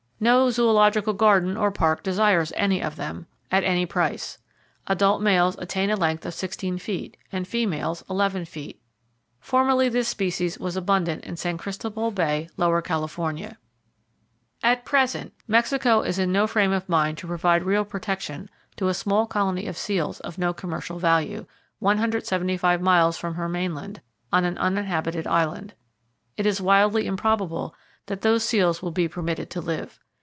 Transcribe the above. No zoological garden or park desires any of them, at any price. Adult males attain a length of sixteen feet, and females eleven feet. Formerly this species was abundant in San Christobal Bay, Lower California. [Page 41] At present, Mexico is in no frame of mind to provide real protection to a small colony of seals of no commercial value, 175 miles from her mainland, on an uninhabited island. It is wildly improbable that those seals will be permitted to live.